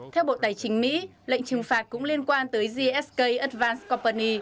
theo bộ tài chính mỹ lệnh trừng phạt cũng liên quan tới gsk advanced company